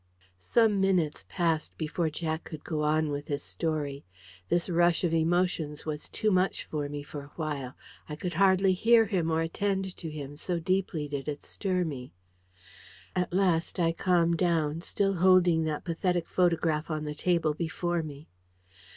Some minutes passed before Jack could go on with his story. This rush of emotions was too much for me for a while. I could hardly hear him or attend to him, so deeply did it stir me. At last I calmed down, still holding that pathetic photograph on the table before me.